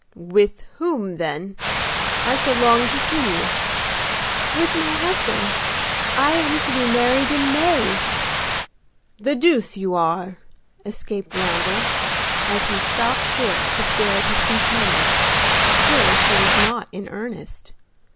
"With whom then? I shall long to see you." "With my husband. I am to be married in May." "The deuce you are!" escaped Randal, as he stopped short to stare at his companion, sure she was not in earnest.